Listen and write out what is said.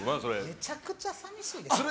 めちゃくちゃ寂しいですよ。